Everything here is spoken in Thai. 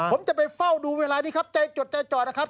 ผมจะไปเฝ้าดูเวลานี้ครับใจจดใจจ่อนะครับ